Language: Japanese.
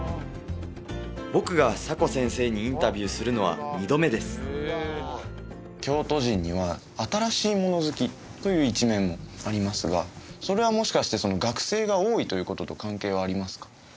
僕がサコ先生にインタビューするのは２度目です京都人には新しいもの好きという一面もありますがそれはもしかして学生が多いということと関係はありますか？